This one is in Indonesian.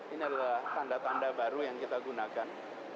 ini adalah tanda tanda baru yang kita gunakan